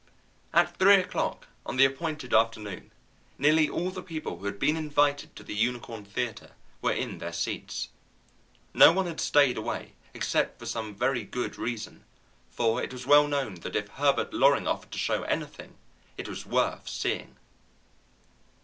At three o'clock on the appointed afternoon nearly all the people who had been invited to the Unicorn Theatre were in their seats. No one had stayed away except for some very good reason, for it was well known that if Herbert Loring offered to show anything it was worth seeing.